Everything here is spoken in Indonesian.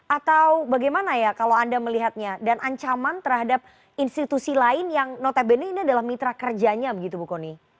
atau bagaimana ya kalau anda melihatnya dan ancaman terhadap institusi lain yang notabene ini adalah mitra kerjanya begitu bu kony